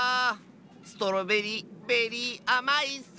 ストロベリーベリーあまいッス！